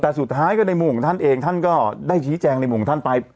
แต่สุดท้ายก็ในมุมของท่านเองท่านก็ได้ชี้แจงในมุมของท่านไป